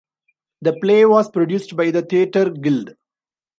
The play was produced by the Theatre Guild.